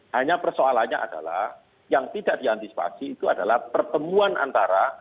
hanya persoalannya adalah yang tidak diantisipasi itu adalah pertemuan antara